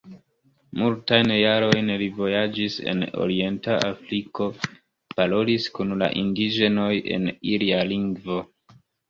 Multajn jarojn li vojaĝis en orienta Afriko, parolis kun la indiĝenoj en ilia lingvo.